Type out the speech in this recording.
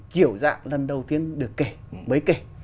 kiểu dạng lần đầu tiên được kể mới kể